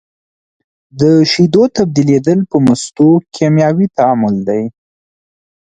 د شیدو تبدیلیدل په مستو کیمیاوي تعامل دی.